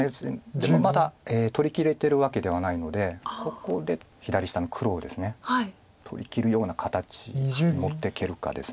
でもまだ取りきれてるわけではないのでここで左下の黒をですね取りきるような形に持っていけるかです。